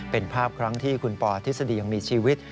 เป็นภาพครั้งที่คุณปอทฤษฎียังมีชีวิต